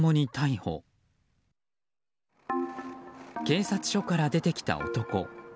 警察署から出てきた男。